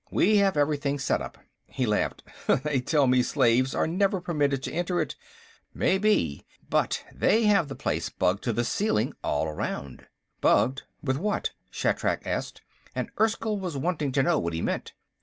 We have everything set up." He laughed. "They tell me slaves are never permitted to enter it. Maybe, but they have the place bugged to the ceiling all around." "Bugged? What with?" Shatrak asked, and Erskyll was wanting to know what he meant.